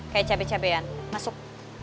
kayak cabe cabean masuk